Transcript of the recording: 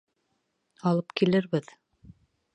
Алып килербеҙ...